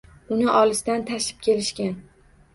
Uni olisdan tashib kelishgan.